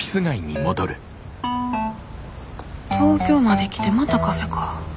東京まで来てまたカフェか。